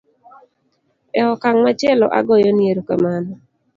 e okang' machielo agoyo ni erokamano